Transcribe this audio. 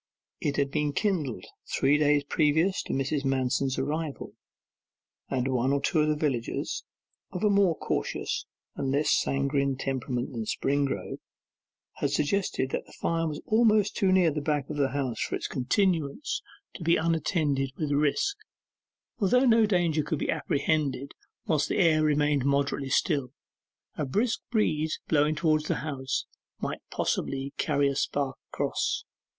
It had been kindled three days previous to Mrs. Manston's arrival, and one or two villagers, of a more cautious and less sanguine temperament than Springrove, had suggested that the fire was almost too near the back of the house for its continuance to be unattended with risk; for though no danger could be apprehended whilst the air remained moderately still, a brisk breeze blowing towards the house might possibly carry a spark across.